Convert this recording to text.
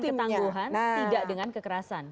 tidak dengan kekerasan